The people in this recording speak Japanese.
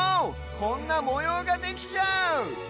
こんなもようができちゃう！